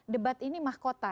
debat ini mahkota